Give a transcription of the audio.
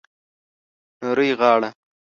نرۍ غاړه